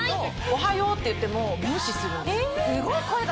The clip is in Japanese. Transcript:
「おはよう」って言っても無視するんですよ。